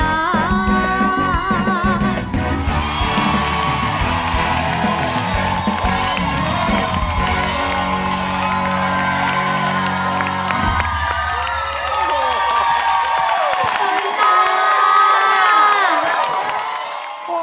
โอ้โฮ